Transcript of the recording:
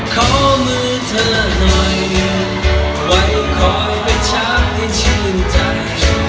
ขอมือเธอหน่อยไว้คอยเป็นช้างให้ชื่นใจ